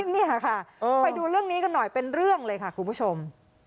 นี่ค่ะไปดูเรื่องนี้กันหน่อยเป็นเรื่องเลยค่ะคุณผู้ชม